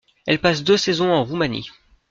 Elle passe deux saisons en Roumanie.